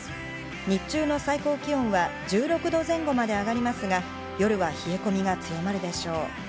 日中の最高気温は１６度前後まで上がりますが、夜は冷え込みが強まるでしょう。